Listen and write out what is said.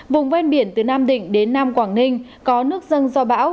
vùng ven biển từ nam định đến nam quảng ninh có nước dân do bão